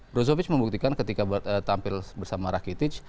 brozovic membuktikan ketika tampil bersama rakitic